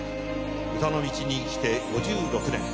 歌の道に生きて５６年。